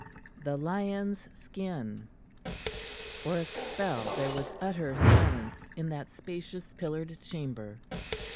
THE LION'S SKIN For a spell there was utter silence in that spacious, pillared chamber.